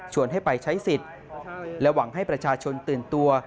ให้ไปใช้สิทธิ์และหวังให้ประชาชนตื่นตัว